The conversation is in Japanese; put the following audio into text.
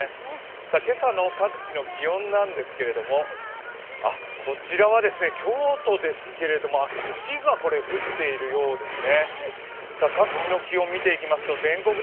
今朝の各地の気温なんですけれども、こちらは京都ですけれども、雪が降っているようですね。